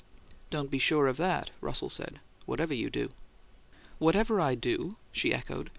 "Don't be sure of that," Russell said, "whatever you do." "'Whatever I do?'" she echoed.